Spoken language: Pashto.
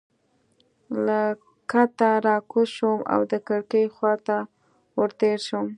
له کټه راکوز شوم او د کړکۍ خوا ته ورتېر شوم.